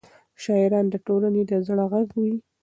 شاعران د ټولنې د زړه غږ وي.